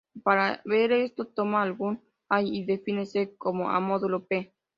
Para ver esto, toma algún "a y define c" como "a" modulo "p".